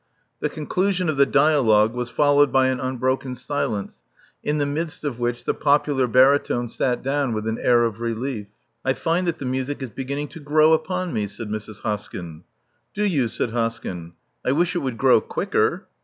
The conclusion of the dialogue was followed by unbroken silence, in the midst of which the popular baritone sat down with an air of relief. I find that the music is beginning to grow upon me," said Mrs. Hoskyn. Do you?" said Hoskyn. I wish it would grow quicker.